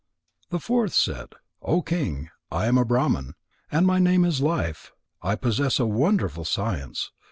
The fourth said: "O King, I am a Brahman, and my name is Life. I possess a wonderful science.